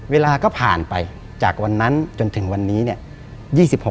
เวลาก็ผ่านไปจากวันนั้นจนถึงวันนี้เนี่ย